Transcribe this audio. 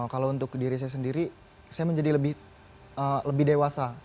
kalau untuk diri saya sendiri saya menjadi lebih dewasa